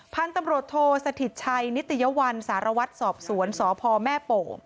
พันธุ์ตำรวจโทสถิตชัยนิตยวัลสารวัตรสอบสวนสพแม่โป่ง